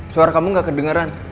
suara kamu gak kedengeran